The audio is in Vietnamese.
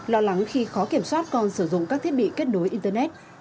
lo lắng khi khó kiểm soát con sử dụng các thiết bị kết nối internet